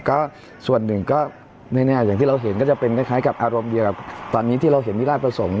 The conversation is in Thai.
ก็ส่วนหนึ่งก็แน่อย่างที่เราเห็นก็จะเป็นคล้ายกับอารมณ์เดียวกับตอนนี้ที่เราเห็นมีราชประสงค์